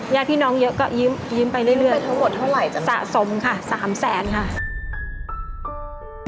ญาติพี่น้องเยอะก็ยิ้มไปเรื่อยยิ้มไปทั้งหมดเท่าไหร่จังสะสมค่ะ๓๐๐๐๐๐บาทค่ะ